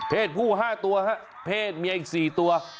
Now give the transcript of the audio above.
ผู้๕ตัวเพศเมียอีก๔ตัว